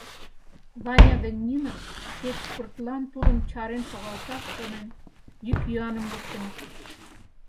Ваня ден Нина, кеч пыртлан тудым чарен шогалташ шонен, йӱк-йӱаным луктыныт.